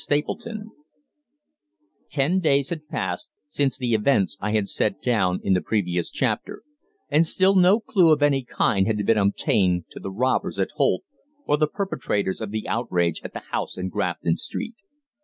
STAPLETON Ten days had passed since the events I have set down in the previous chapter, and still no clue of any kind had been obtained to the robbers at Holt, or the perpetrators of the outrage at the house in Grafton Street.